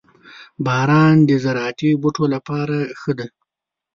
• باران د زراعتي بوټو لپاره ښه دی.